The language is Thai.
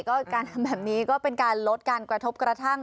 ก็การทำแบบนี้ก็เป็นการลดการกระทบกระทั่ง